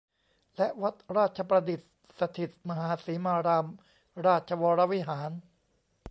และวัดราชประดิษฐสถิตมหาสีมารามราชวรวิหาร